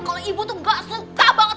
kalau ibu tuh gak suka banget